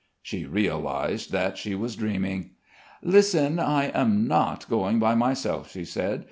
She realised that she was dreaming.... "Listen. I am not going by myself," she said.